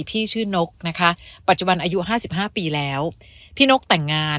พี่ชื่อนกนะคะปัจจุบันอายุห้าสิบห้าปีแล้วพี่นกแต่งงาน